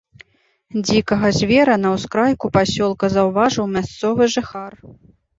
Дзікага звера на ўскрайку пасёлка заўважыў мясцовы жыхар.